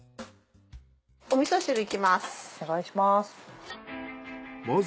お味噌汁いきます。